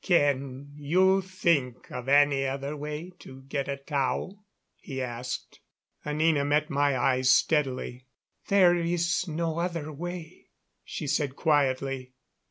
"Can you think of any other way to get at Tao?" he asked. Anina met my eyes steadily. "There is no other way," she said quietly.